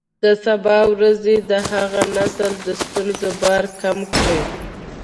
د سبا ورځې د هغه نسل د ستونزو بار کم کړئ.